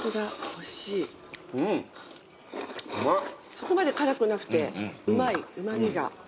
そこまで辛くなくてうまいうま味が。